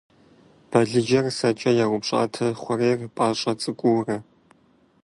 Балыджэр сэкӏэ яупщӏатэ хъурей пӏащӏэ цӏыкӏуурэ.